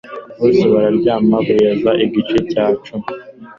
Bose bararyama kugeza igice cya cumi